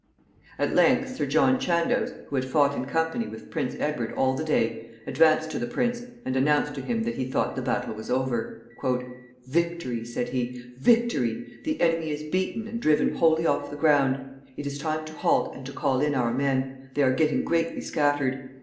At length Sir John Chandos, who had fought in company with Prince Edward all the day, advanced to the prince, and announced to him that he thought the battle was over. "Victory!" said he, "victory! The enemy is beaten and driven wholly off the ground. It is time to halt and to call in our men. They are getting greatly scattered.